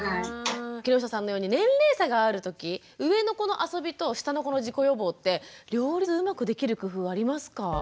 木下さんのように年齢差がある時上の子の遊びと下の子の事故予防って両立うまくできる工夫はありますか？